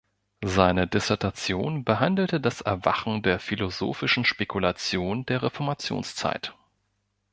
Seine Dissertation behandelte „das Erwachen der philosophischen Spekulation der Reformationszeit“.